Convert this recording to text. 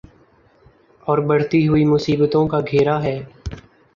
اوربڑھتی ہوئی مصیبتوں کا گھیرا ہے۔